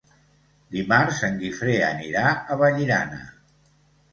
Dimarts en Guifré anirà a Vallirana.